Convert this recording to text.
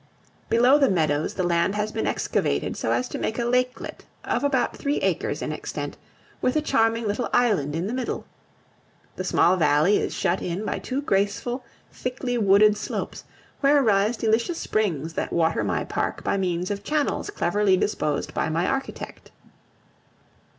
Below the meadows the land has been excavated so as to make a lakelet of about three acres in extent, with a charming little island in the middle. The small valley is shut in by two graceful, thickly wooded slopes, where rise delicious springs that water my park by means of channels cleverly disposed by my architect.